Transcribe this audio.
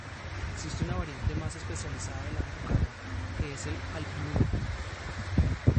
Existe una variante más especializada de la rocalla, que es el alpinum.